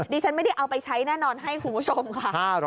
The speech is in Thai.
ดิฉันไม่ได้เอาไปใช้แน่นอนให้คุณผู้ชมค่ะ